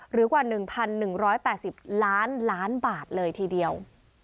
หรือกว่า๑๑๘๐ล้านล้านบาทเลยทีเดียว